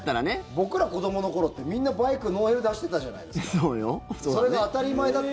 僕ら子どもの頃ってみんなバイクノーヘルで走ってたじゃないですか。